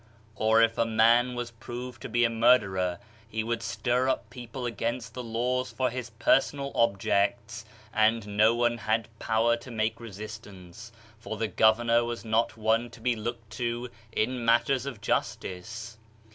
Or if a man was proved to be a murderer he would stir up people against the laws for his personal o'bjects and no one had power to make resistance, for the governor was not one to be looked to in matters of justice.